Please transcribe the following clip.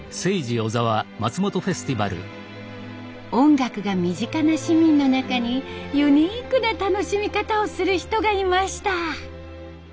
音楽が身近な市民の中にユニークな楽しみ方をする人がいました。